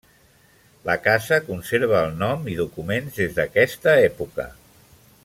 La casa conserva el nom i documents des d'aquesta època.